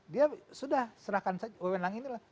dia sudah serahkan wewenlang ini lho